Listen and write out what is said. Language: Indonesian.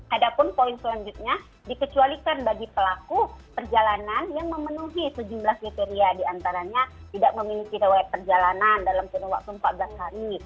ada pun poin selanjutnya dikecualikan bagi pelaku perjalanan yang memenuhi sejumlah kriteria diantaranya tidak memiliki rewet perjalanan dalam kurun waktu empat belas hari